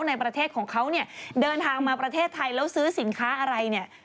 ในประเทศของเขาเนี่ยเดินทางมาประเทศไทยแล้วซื้อสินค้าอะไรเนี่ย